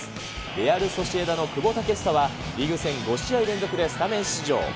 レアルソシエダの久保建英は、リーグ戦５試合連続でスタメン出場。